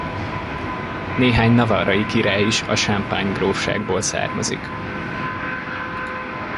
Néhány navarrai király is a Champagne grófságból származik.